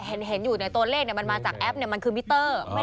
เห็นอยู่ในตัวเลขมันมาจากแอปมันคือมิเตอร์